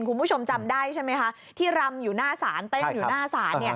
คุณผู้ชมจำได้ใช่ไหมคะที่รัมอยู่หน้าสานแต่ยังอยู่หน้าสาน